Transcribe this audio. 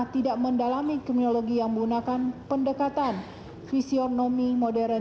tidak mendalami kriminologi yang menggunakan pendekatan fisionomi modern